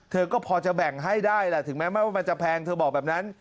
เธอก็พอจะแบ่งให้ได้แหละถึงแม้ว่ามันจะแพงเธอบอกแบบนั้น